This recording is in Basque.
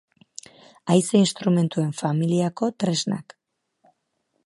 Haize instrumentuen familiako tresnak.